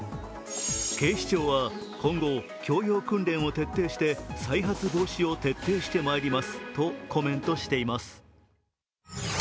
警視庁は、今後教養訓練を徹底して再発防止を徹底してまいりますとコメントしています。